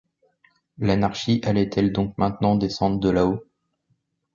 L’anarchie allait-elle donc maintenant descendre de là-haut?